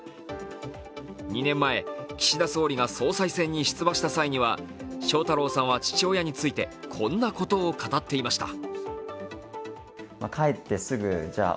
２年前、岸田総理が総裁選に出馬した際には翔太郎さんは父親についてこんなことを語っていました。